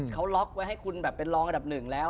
เขาล็อกไว้ให้คุณแบบเป็นรองอันดับหนึ่งแล้ว